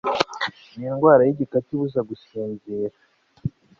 n'indwara y'igikatu ibuza gusinzira